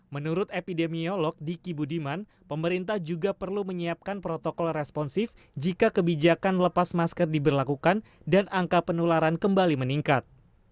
menurut epidemiolog diki budiman pemerintah juga perlu menyiapkan protokol responsif jika kebijakan lepas masker diberlakukan dan angka penularan kembali meningkat